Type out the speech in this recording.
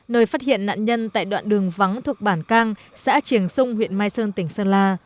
nơi phát hiện nạn nhân tại đoạn đường vắng thuộc bản cang xã triềng xung huyện mai sơn tỉnh sơn la